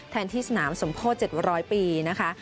แทนที่สนามสมโคตร๗๐๐ปีนะคะ